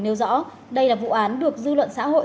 nếu rõ đây là vụ án được dư luận xã hội